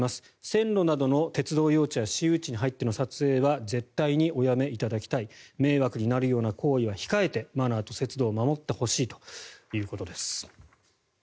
線路などの鉄道用地や私有地に入っての撮影は絶対におやめいただきたい迷惑になるような行為は控えてマナーと節度を守ってほしいということです。